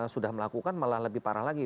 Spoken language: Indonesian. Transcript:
sudah melakukan malah lebih parah lagi